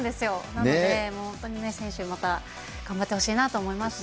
なので、本当に選手、また頑張ってほしいなと思いますね。